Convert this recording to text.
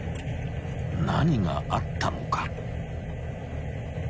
［何があったのか］